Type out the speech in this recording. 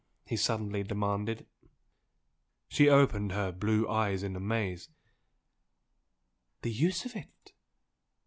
he suddenly demanded. She opened her deep blue eyes in amaze. "The use of it?...